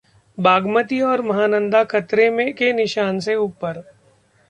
बागमती और महानंदा खतरे के निशान से ऊपर